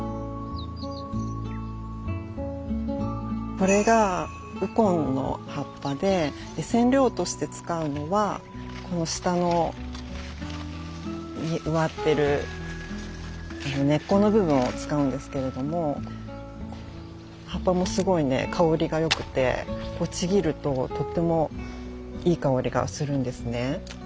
これがウコンの葉っぱでで染料として使うのはこの下の植わってる根っこの部分を使うんですけれども葉っぱもすごいね香りが良くてこうちぎるととってもいい香りがするんですね。